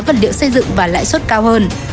vật liệu xây dựng và lại xuất cao hơn